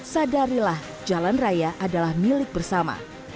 sadarilah jalan raya adalah milik bersama